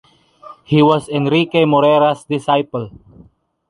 He was Enrique Morera’s disciple.